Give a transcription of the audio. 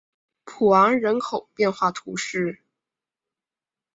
普昂人口变化图示